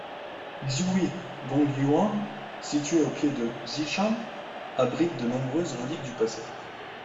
Xihui Gongyuan, situé au pied de Xi Shan, abrite de nombreuses reliques du passé.